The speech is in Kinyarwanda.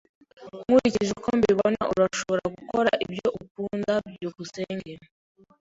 Nkurikije uko mbibona, urashobora gukora ibyo ukunda. byukusenge